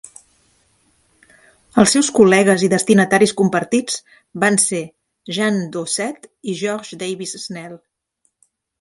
Els seus col·legues i destinataris compartits van ser Jean Dausset i George Davis Snell.